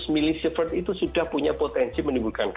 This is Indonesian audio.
seratus milisird itu sudah punya potensi menimbulkan